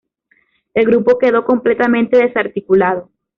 El grupo quedó completamente desarticulado.